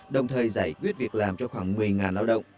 đồng thời giải quyết việc làm cho khoảng một mươi lao động